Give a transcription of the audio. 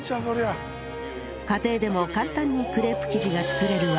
家庭でも簡単にクレープ生地が作れる技とは？